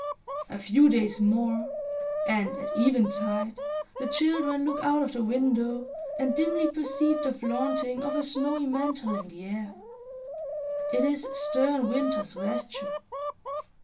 A few days more; and at eventide, the children look out of the window, and dimly perceive the flaunting of a snowy mantle in the air. It is stern Winter's vesture.